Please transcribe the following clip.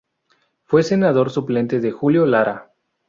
Fue senador suplente de Julio Lara.